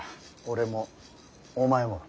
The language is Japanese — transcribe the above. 俺もお前も。